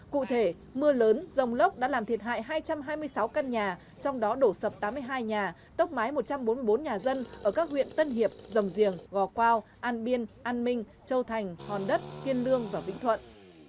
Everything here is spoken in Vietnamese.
cụ thể mưa lớn rồng lốc đã làm thiệt hại hai trăm hai mươi sáu căn nhà trong đó đổ sập tám mươi hai nhà tốc mái một trăm bốn mươi bốn nhà dân ở các huyện tân hiệp rồng giềng gò quao an biên an minh châu thành hòn đất kiên lương và vĩnh thuận